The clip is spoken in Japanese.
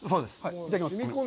いただきます。